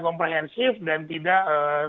komprehensif dan tidak